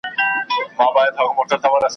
د ده نه ورپام کېدی نه یې په کار وو `